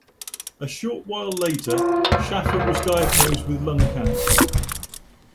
A short while later, Shaffer was diagnosed with lung cancer.